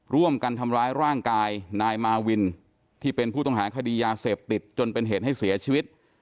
ร่วมกันทำร้ายร่างกายนายมาวินที่เป็นผู้ต้องหาคดียาเสพติดจนเป็นเหตุให้เสียชีวิต